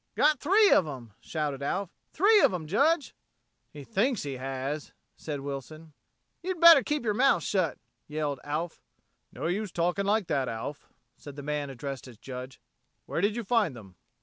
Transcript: "Got three of 'em!" shouted Alf. "Three of 'em, Judge." "He thinks he has," said Wilson. "You better keep your mouth shut," yelled Alf. "No use talkin' like that, Alf," said the man addressed as Judge. "Where did you find them?"